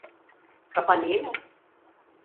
Kafan iyi mi?